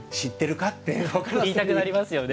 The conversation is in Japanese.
言いたくなりますよね。